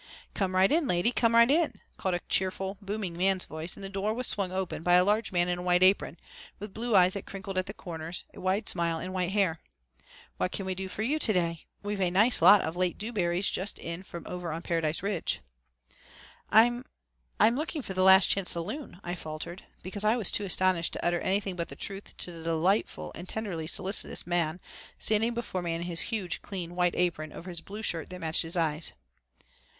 "Come right in, lady, come right in," called a cheerful, booming man's voice, and the door was swung open by a large man in a white apron, with blue eyes that crinkled at the corners, a wide smile and white hair. "What can we do for you to day? We've a nice lot of late dewberries just in from over on Paradise Ridge." "I'm I'm looking for the the Last Chance Saloon," I faltered, because I was too astonished to utter anything but the truth to the delightful and tenderly solicitous man standing before me in his huge, clean white apron over his blue shirt that matched his eyes.